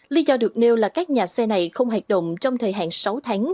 lý do được nêu là các nhà xe này không hoạt động trong thời hạn sáu tháng